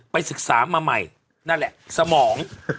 ศึกษามาใหม่นั่นแหละสมอง